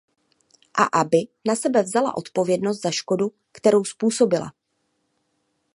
A aby na sebe vzala odpovědnost za škodu, kterou způsobila.